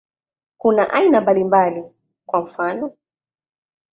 Kuna aina mbalimbali, kwa mfano.